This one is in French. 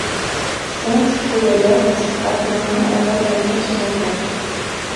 Sainte-Flodoberthe abandonna alors la pierre sur place.